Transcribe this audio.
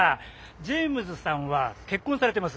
ジェームズさんは結婚されてます。